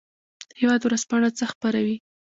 هیواد ورځپاڼه څه خپروي؟